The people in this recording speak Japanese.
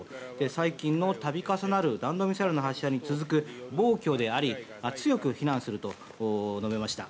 最近の度重なる弾道ミサイルの発射に続く暴挙であり強く非難すると述べました。